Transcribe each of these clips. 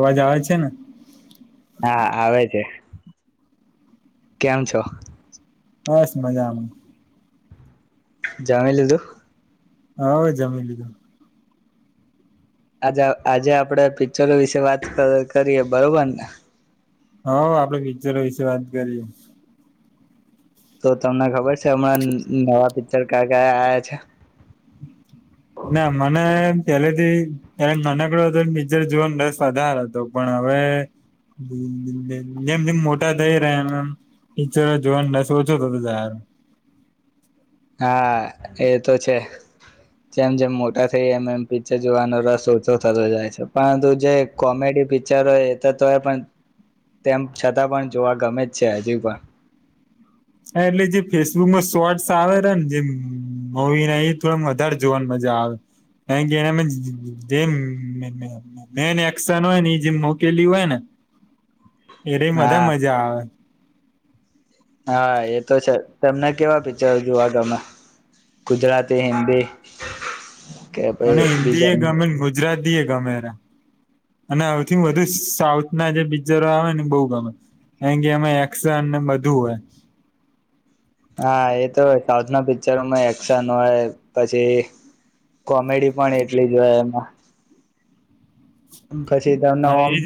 હવા જ આવે છે ને. હા આવે છે. કેમ છો. બસ મજા આમાં. જામ લીધું. હાવે જમી લીધું. આજે આજે આપડે પિક્ચરો વિશે વાત કરીએ બરોબર ને. હા આપડે પિક્ચરો વિશે વાત કરીએ. તો તમને ખબર છે. નવા પિત. ચકા કયા આયા છે. ના મને. પેલેથી એ નાનકડો હતો પિકચર જોવાનો રસ વધારે હતો પણ હવે જેમ જેમ મોટા થઈ રહ્યા એમ પચર જોવાનું રસ ઓછો થતો તારો. હા એ તો છે જેમ જેમ મોટા થઈ એમ એમ પિક્ચર જોવાનો રસ ઓછો થતો જાય છે પરંતુ જે કોમેડી પિક્ચર હોય એ તો તોય પણ તેમ છતાં પણ જોવા ગમે જ છે હજુ પણ. હા એટલે જે ફેસબુકમાં શોર્ટસ આવે ને જેમ મોવીને એ થો વધારે જોવાની મજા આવે કારણ કે એના જેમ મેન એશન હોય ને એ જેમ મોકેલી હોય ને. એ ર બધા હા મજા આવે. હા એ તો છે તમને કેવા પિક્ચર જોવા ગમે ગુજરાતી હિન્દી. કે ભાઈ અને બીજા હિન્દી એ ગમેીન ગ. ગુજરા દિેગ મેરા. અને આઈ થિંક વધુ સાઉથ. ના જે પિક્ચરો આવે ને બહ ગમે અ કે અમે એક્શન ને બધું હોય. હા એ તો સાઉથ ના પિક્ચરોમાં એક્શન હોય, પછી કોમેડી પણ એટલી જ હોય. એમાં--. પછી તમને હા એમ એજ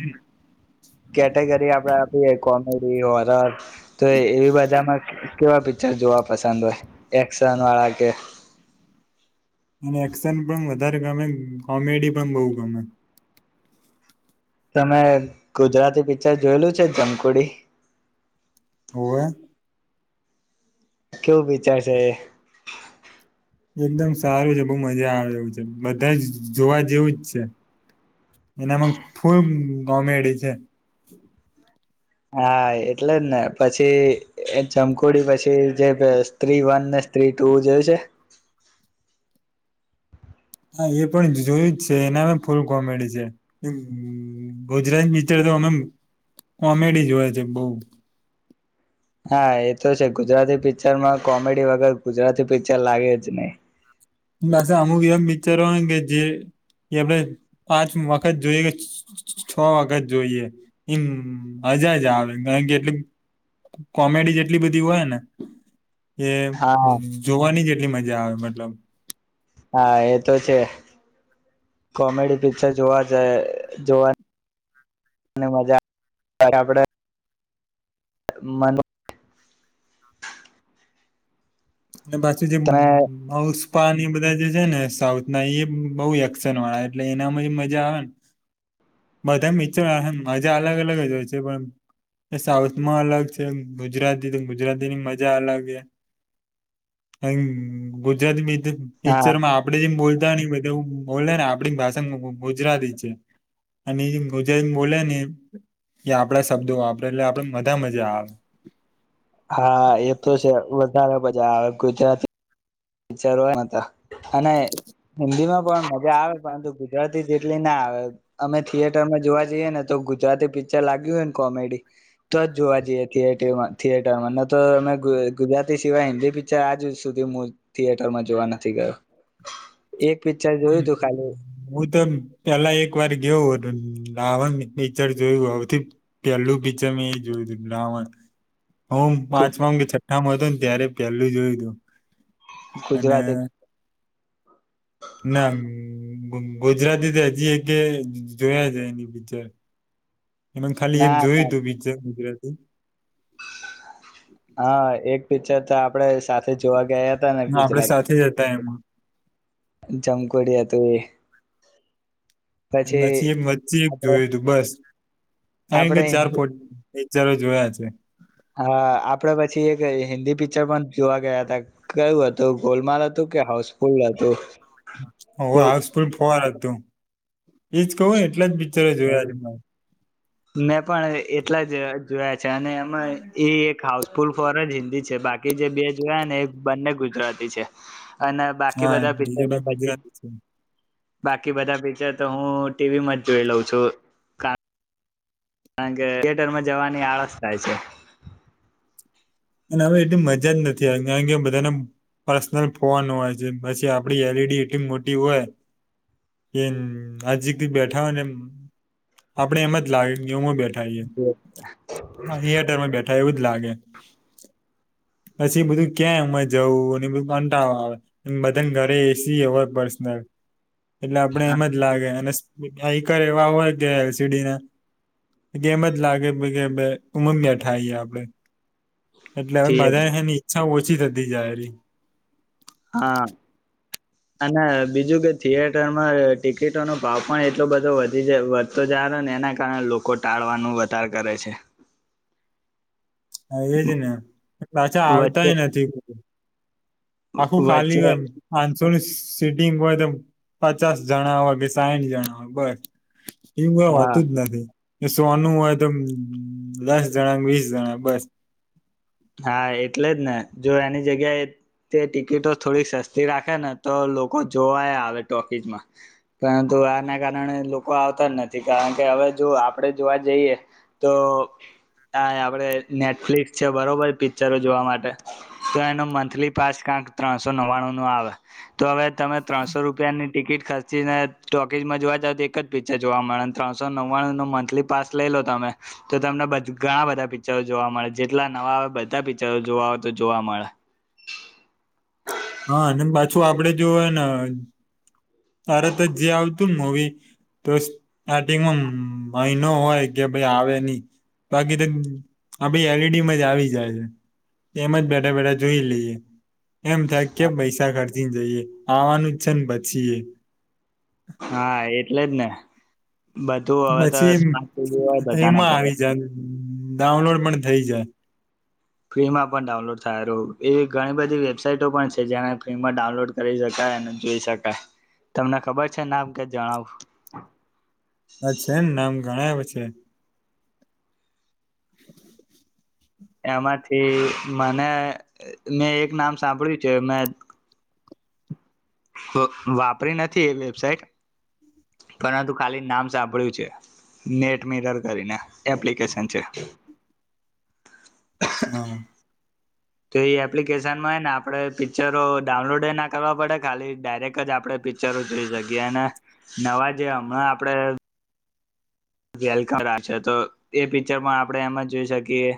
કેટેગરી આપડે આપીએ કોમ નડી હોરર તો એવી બજામાં કેવા પિક્ચર જોવા પસંદ હોય? એક્શન વાળા કે અને એક્શન પણ વધારે ગમે. કોમેડી પણ બહુ ગમે. તમે ગુજરાતી પિક્ચર જોયેલું છે, જમકુડી? ઓવે કેવું વિચારશે એ એકદમ સારું છે. બહુ મજા આવે છે, બધા જ જોવા જેવું જ છે. એનામાં ફૂલ કોમેડી છે. હા એટલે જ ને પછી જમકુડી પછી જે સ્ત્રી વન ને સ્ત્રી ટુ જોયુ છે? હા એ પણ જોયું જ છે. એના પણ ફૂલ કોમેડી છે. ગુજરાતી પિક્ચર તો અમે કોમેડી જોએ છે. બહુ હા એ તો છે. ગુજરાતી પિક્ચરમાં કોમેડી વગર ગુજરાતી પિક્ચર લાગે જ નહી. પાસે અમુક એવા પિક્ચરો હોયને કે જે, આપણે પાંચ વખત જોઈએ કે છ છ વખત જોઈએ. એમ મજા જ આવે કારણ કે એ કોમેડી એટલી બધી હોય ને એ હા જ જોવાની જે કેટલી મજા આવે મતલબ હા એ તો છે. કોમેડી પિક્ચર જોવા જ જોવા મજા આપડે મનો--. અને બાચુ જે તમે કપા બધા જે છે ને સાઉથ ના. એ બહુ એક્શન વાળા એટલે એનામાં મજા આવે ને. બધા મચર મજા અલગ અલગ જ હોય છે, પણ સાઉથમાં અલગ છે, ગુજરાતી તો ગુજરાતીની મજા અલગ છે અ ગુજરાતી બી હા નેચરમાં આપડે જેમ બોલ બધાની બધુ બોલે ને આપણી ભાષા ગુજરાતી છે. અને એ ગુજરાતી બોલે ને એ આપડા શબ્દો વાપરે એટલે આપે મજા મજા આવે હા એતો છે. વધારે બજા આવે. ગુજરાતી વિચારવા હતા અને હિન્દીમાં પણ મજા આવે. પરંતુ ગુજરાતી જેટલી ના આવે. અમે થિયેટર માં જોવા જઈએ ને તો, ગુજરાતી પિક્ચર લાગ્યું હોયને કોમેડી, તો જ જોવા જઈએ થિયેટરમાં થિયેટરમાં. ન તો અમે ગુજરાતી સિવાય હિન્દી પિક્ચર આજુ જ સુધી થિયેટર માં જોવા નથી ગયો. એક પિક્ચર હમ જોયું તું ખાલી હું તો પેલા એક વાર ગઉ હતો લાવણ પિક્ચર જોયું સૌથી પેલું પિક્ચર મેં જોયું તું લાવણ હ પાંચમાં કે છઠ્ઠામાં હતોને ત્યારે પેલું જોયું તું અને ગુજરાતી ના ગુ ગુજરાતી તો હજી એક જ જોયા જ એની પિકચર એ ખાલી એક ના જોયું ના તું બી [unintelligible] [inaudible] હા એક પિક્ચર તો આપડે સાથે જોવા ગ હ આપડે સાથેજ હતા એમ [inaudible] જમકોડિયા તું એ પછી નથીી એક વ્ચી એક આપડે જોયું તું બસ હંગ આપડે જાર પો વિચારો જોયા છે હા આપડે પછી એક હિન્દી પિક્ચર પણ જોવા ગયા હતા કયું હતું ગોલમાલ હતું કે હાઉસફુલ હતું. ઓ ગોલ હઉસ પણ ફવાર હતું. એજ કહું ને એટલા જ પિક્ચરો જોયાજ. મેં પણ એટલા જ જોયા છે અને એમાં એ એક હાઉસફુલ ફોર જ હિન્દી છે બાકી જે બે જોયા ને એ બંને ગુજરાતી છે. અને બાકી હા બધા પિત્ તો ડીજેભાઈ પછી. ગુજરાતી છે બાકી બધા પિક્ચર તો હું ટીવીમાં જ જોઈ લઉં છું. કારણ કે થિયેટર માં જવાની આળસ થાય છે. અને હવે એટલી મજા જ નથી આવી કારણ કે બધાને પર્સનલ ફવાનું હોય પછી આપડી એલઈડી એટલી મોટી હોય કે આજી બેઠા હોય ને આપણે એમ જ લાગે હું. બે હ થિયેટરમાં બેઠ. થ એવું જ લાગે. પછી બધું ક્યાં ઉમર જવું બધું કંટા આવે બધાન ઘરે એસી હોય પર્સનલ. એટલે આપડે એમ જ લાગે અને આઈકર એવા હોય કે એલસીડી ના કે એમ જ લાગે કે ઉમમ્યાઠાઈએ આપડે. એટલે હવે મા થિયેટર ઈચછ ઓછી થતી જાય. હા અને બીજું કે થિયેટરમાં ટિકિટોનો ભાવ પણ એટલો બધો વધી જ વધતો જાર ને એના કારણે લોકો ટાળવાનું વધાર કરે છે. હા એજ ને પાછા વચ્ચે આવતાય નથી. આખું ખાલી હો વચ્ચે એમ. શોને સિટિંગ હોય તો પચાસ જણા હોય કે સાહીઠ જણા હોય બસ. એમ કઈ હા વાતું જ નથી. સોનું હોય તો દસ જણા વીસ જણા બસ. હા એટલે જ ને જો એની જગ્યાએ તે ટિકિટો થોડી સસ્તી રાખે ને તો લોકો જોવાય આવે ટોકીઝમાં પરંતુ આના કારણે લોકો આવતા જ નથી કારણ કે હવે જો આપડે જોવા જઈએ તો આ આપડે નેટફ્લિક્સ છે બરોબર પિક્ચરો જોવા માટે તો એનો મંથલી પાસ ક્યાંક ત્રણસો નવ્વાણું નો આવે તો હવે તમે ત્રણસો રૂપિયાની ટિકિટ ખર્ચીને ટોકીઝમાં જોવા જાવ તો એક જ પિક્ચર જોવા મળે ત્રણસો નવ્વાણું નો મંથલી પાસ લઈ લો તમે તો તમને ઘણા બધા પિક્ચરો જોવા મળે કેટલા નવા આવે બધા પિક્ચરો જોવા હોય તો જોવા મળે. હા અને પાછું આપડે જો હો ને તારે તો જે આવતું ને મવી તો સ્ટાર્ટિંગમાં મહિનો હોય કે ભાઈ આવે નહી બાકી તો આ ભી એલઈડીમાં જ આવી જાય છે એમ જ બેઠા બેઠા જોઈ લઈએ. એમ થાય કેમ પૈસા ખર્ચે જઈએ આવાનું જ છે ને બચીએ. હા એટલે જ ને. બધું હવે તો પછી સ્માર્ટ ટીવી હોય બધાના એમાં ઘરે આવી જાય. ડાઉનલોડ પણ થઈ જાય. ફ્રીમાં પણ ડાઉનલોડ થાય રહ એવી ઘણી બધી વેબસાઈટો પણ છે જેને ફ્રીમાં ડાઉનલોડ કરી શકાય અને જોઈ શકાય તમને ખબર છે નામ કે જણાવું. અચછા એમ નામ ગણાય [unintelligible] [unintelligible] એમાંથી મને મેં એક નામ સાંભળ્યું છે મેં વાપરી નથી એ વેબસાઇટ પરંતુ ખાલી નામ સાંભળ્યું છે નેટ મિરર કરીને એપ્લિકેશન છે. હા તો એ એપ્લિકેશનમાં ને આપણે પિક્ચરો ડાઉનલોડ ના કરવા પડે ખાલી ડાયરેક્ટ જ આપણે પિક્ચરો જોઈ શકીએ અને નવા જે હમણાં આપણે વેલકમ રાખશે તો એ પિક્ચર પણ આપણે એમાં જોઈ શકીએ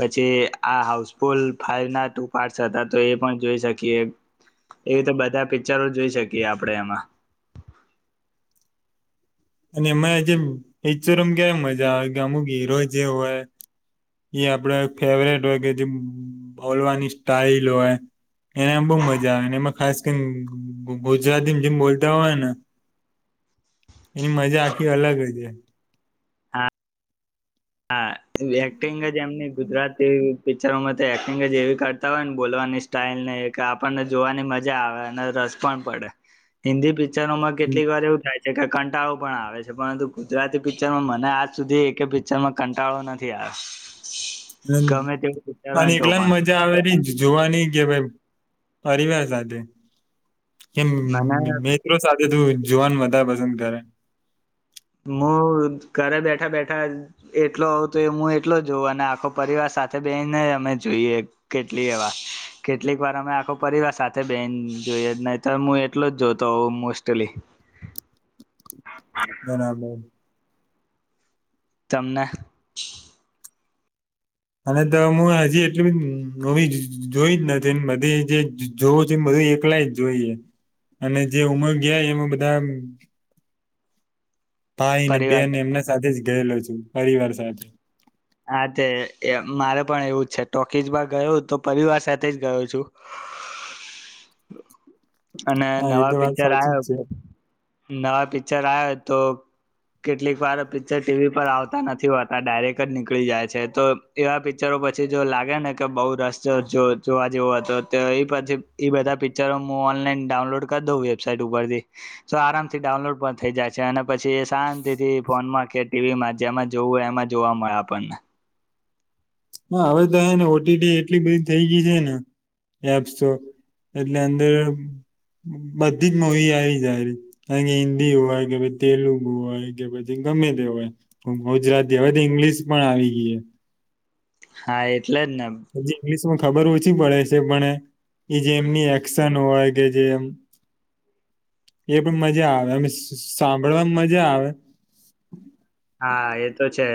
પછી આ હાઉસફુલ ફાઈવ ના ટુ પાર્ટ્સ હતા તો એ પણ જોઈ શકીએ એવી તો બધા પિક્ચરો જોઈ શકીએ આપણે એમાં. અને એમાં જે પિક્ચરોમાં ક્યારે મજા આવે કે અમુક હીરો જે હોય એ આપડ ફેવરેટ હોય કે જે બોલવાની સ્ટાઈલ હોય એને બહ મજા આવે એમાં ખાસ કરીને ગુજરાતી જેમ બોલતા હોય ને એની મજા આખી અલગ હ છે. હા હા એક્ટિંગ જ એમની ગુજરાતી પિક્ચરોમાં તો એક્ટિંગ જ એવી કરતા હોય ને બોલવાની સ્ટાઈઇલ ને કે આપણને જોવાની મજા આવે અને રસ પણ પડે હિન્દી પિકચ ચરોમાં કેટલીક વાર એવું થાય છે કે કંટાળો પણ આવે છે પરંતુ ગુજરાતી પિક્ચરમાં મને આજ સુધી એક પિકર અચારમાં કંટાળો નથી આવ્યો. હમ ગમે તેવું પિક્ચર હોય અને ને તો એકલાને પણ મજા આવે ર જોવાની કે ભાઈ પરીવાર સાથે. કેમ મને મિત્રો સાથે. એ તું જોવાન વધાર પસંદ કરે. [unintelligible] ઘરે બેઠા-બેઠા એટલો આવતો હોય હું એટલો જ જોવાના, આખો પરિવાર સાથે બેહીનેય અમે જોઈએ કેટલીયે વાર. કેટલીક વાર અમે આખો પરિવાર સાથે બેહીન જોઈએ નહીતર હું તો હું એટલો જ જોતો હોઉં મોસ્ટલી. બરાબર. તમને અને તો હું હજી એટલી બી મૂવી જોઈ જ નથી, બધી જે જોવું છે એ બધું એકલા જ જોઈએ, અને જે ઉમર ગયા એમાં બધા ભાઈ ને બેન પરિવાર ને એમના સાથે જ ગયેલો છું પરિવાર સાથે. હા તે એ મારે પણ એવું જ છે. ટોકીજમાં ગયો હતો પરિવાર સાથે જ ગયો છું. અને હા એ નવા તો વાત પિક્ચર સાચી જ છે આયો નવા પિક્ચર આવે તો કેટલીક વાર પિક્ચર ટી વી પર આવતા નથી હોતા ડાયરેક્ટ જ નીકળી જાય છે, તો એવા પિક્ચરો પછી જો લાગે ને કે બહુ રસ જ જો જોવા જેવો હતો તો એ પછી એ બધા પિક્ચરો હું ઓનલાઈન ડાઉનલોડ કર દઉં વેબસાાઈટ ઉપરથી, તો આરામથી ડાઉનલોડ પણ થઈ જાય છે. અને પછી શાંતિ થી ફોન માં કે ટી વીમાં જેમાં જોવું એમાં જ જોવા મળે આપણને. હા હવે તો હે ને ઓ ટી ટી એટલી બધી થઈ ગઈ છે ને એપ્સ તો, એટલે અંદર બધી જ મૂવી આવી જાય [unintelligible] કે હિન્દી હોય કે, [unintelligible] તેલુગુ હોય કે પછી ગમે તે હોય, ગુ ગુજરાતી હવે તો ઇંગ્લિશ પણ આવી ગઈ. હા એ એટલે જને. માં ખબર ઓછી પડે છે પણ એ એ જે એમની એક્શન હોય કે જે એમ એ પણ મજા આવે. સસ સાંભળવાન મજા આવે. હા એ તો છે.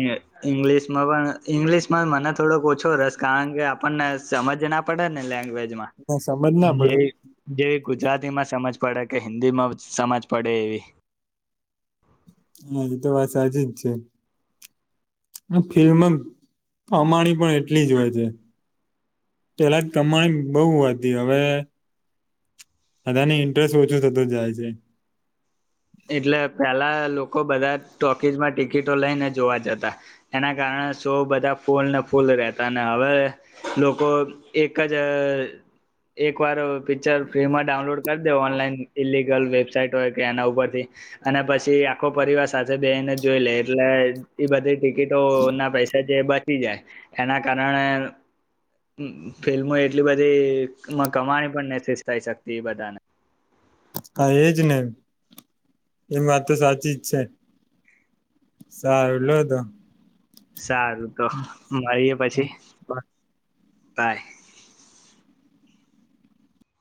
એ ઇંગ્લિશમાં પણ ઈંગ્લિશમાં મને થોડોક ઓછો રસ કારણ કે આપણને સમજ ના પડે ને લેંગ્વેજ માં. પણ સમજ ના પડે જે-જે ગુજરાતીમાં સમજ પડે કે હિન્દી માં સમજ પડે એવી. હા ઈ તો વાત સાચી જ છે. આ ફિલ્મ અમાણી પણ એ એટલી જ હોય છે. પેલા કમાણી બહુ હતી, હવે બધાને ઇન્ટરેસ્ટ ઓછું થતું જાય છે. એટલે પેલા લોકો બધા ટોકીઝમાં ટિકિટો લઈને જોવા જતા, એના કારણે શો બધા ફૂલને ફૂલ રહેતા, ને હવે લોકો એક જ અહ એક વાર પિક્ચર ફ્રીમાં ડાઉનલોડ કર દે ઓનલાઈન ઈલિગલ વેબસાાઈટ હોય કે એના ઉપર થી અને પછી આખો પરિવાર સાથે બેહીને જોઈ લે એટલે ઈ બધી ટિકિટો ના પૈસા જે બચી જાય, એના અમ કારણે ફિલ્મો એટલી બધી કમ કમાણી પણ નથી થઈ શકતી ઈ બધાને. હા એજ ને. એ વાત તો સાચી જ છે. સારું લોતો. સારું તો મળીએ પછી. બાય.